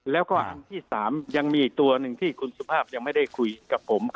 แล้วก็อันที่๓ยังมีอีกตัวหนึ่งที่คุณสุภาพยังไม่ได้คุยกับผม